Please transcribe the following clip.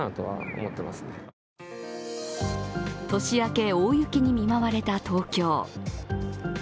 年明け、大雪に見舞われた東京。